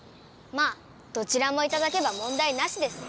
まあどちらもいただけばもんだいなしです。